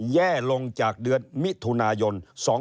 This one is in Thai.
แย่ลงจากเดือนมิถุนายน๒๕๖